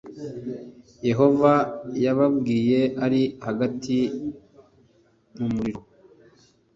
Yehova yababwiye ari hagati mu muriro,